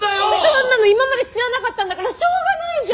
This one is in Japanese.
そんなの今まで知らなかったんだからしょうがないじゃん！